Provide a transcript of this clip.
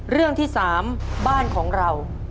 เรื่องที่๓บ้านของเรา